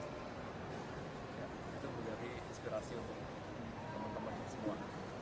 itu menjadi inspirasi untuk teman teman semua